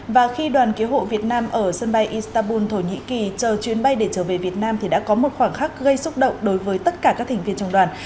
và khi đoàn cứu hộ việt nam ở sân bay istanbul thổ nhĩ kỳ chờ chuyến bay để trở về việt nam thì đã có một khoảng khắc gây xúc động đối với tất cả các thành viên trong đoàn